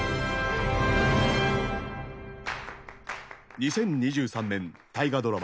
２０２３年大河ドラマ